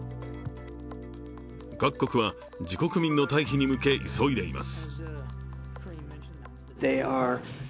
各国は自国民の退避に向け急いでいます。